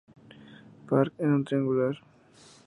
Park en un triangular.